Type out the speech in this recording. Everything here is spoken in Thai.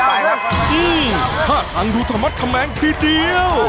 อืมมมท่านรูทมัธแมงที่เดียว